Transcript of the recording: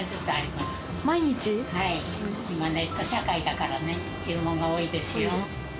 今ネット社会だからね、注文が多いですよ。